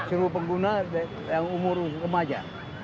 seluruh pengguna yang umur remaja